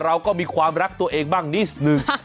เราก็มีความรักตัวเองบ้างนิดนึง